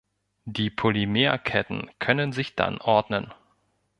Die Polymerketten können sich dann ordnen.